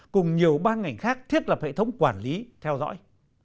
cùng nhiều ban ngành khác thiết lập hệ thống quản lý theo dõi